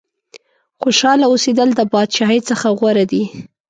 خوشاله اوسېدل د بادشاهۍ څخه غوره دي.